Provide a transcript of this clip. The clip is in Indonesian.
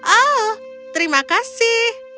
oh terima kasih